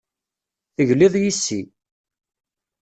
Tegliḍ yes-i.